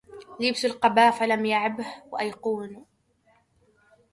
لبس القباء فلم يعبه وأيقنوا